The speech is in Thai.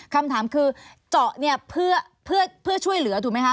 คำถามคือเจาะเนี่ยเพื่อช่วยเหลือถูกไหมคะ